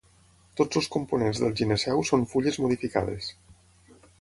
Tots els components del gineceu són fulles modificades.